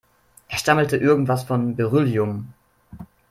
Er stammelte irgendwas von Beryllium.